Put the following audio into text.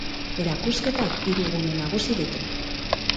Erakusketak hiru gune nagusi ditu.